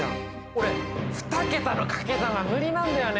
俺二桁のかけ算は無理なんだよね！